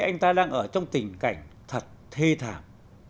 anh ta đang ở trong tình cảnh thật thê thảm